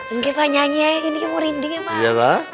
ini pak nyanyi aja ini mau rinding ya pak